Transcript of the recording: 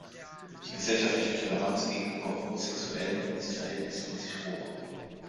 Die gesellschaftliche Toleranz gegenüber Homosexuellen ist verhältnismäßig hoch.